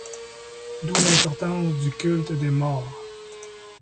D'où l'importance du culte des morts.